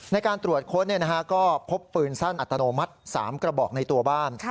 ในการตรวจค้นก็พบปืนสั้นอัตโนมัติ๓กระบอกในตัวบ้าน